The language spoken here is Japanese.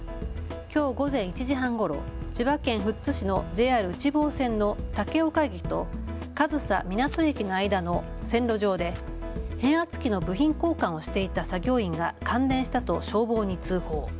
きょう午前１時半ごろ、千葉県富津市のＪＲ内房線の竹岡駅と上総湊駅の間の線路上で変圧器の部品交換をしていた作業員が感電したと消防に通報。